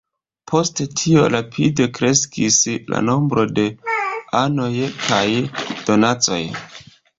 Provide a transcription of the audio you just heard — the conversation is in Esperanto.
Post tio rapide kreskis la nombro de anoj kaj donacoj.